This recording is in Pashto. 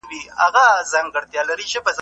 موسکی سوې په اغزوکي غوړیدې چي راتلې